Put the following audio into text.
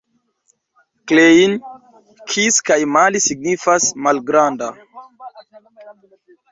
Klein, kis kaj mali signifas: malgranda.